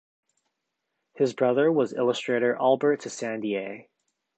His brother was illustrator Albert Tissandier.